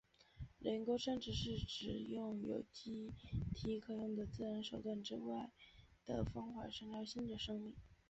人工生殖是指用有机体可用的自然手段之外的方法创造新的生命体。